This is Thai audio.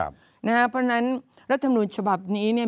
เพราะฉะนั้นรัฐมนุนฉบับนี้เนี่ย